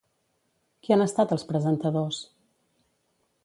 Qui han estat els presentadors?